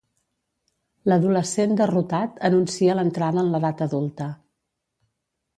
L'adolescent derrotat anuncia l'entrada en l'edat adulta.